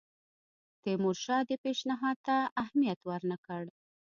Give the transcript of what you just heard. تیمورشاه دې پېشنهاد ته اهمیت ورنه کړ.